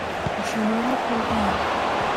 ushobora no kurwara